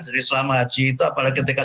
jadi selama haji itu apalagi ketika